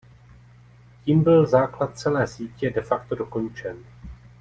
Tím byl základ celé sítě de facto dokončen.